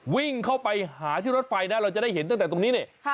วิ่งเข้าไปหาที่รถไฟนะเราจะได้เห็นตั้งแต่ตรงนี้เนี่ย